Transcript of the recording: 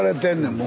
もう。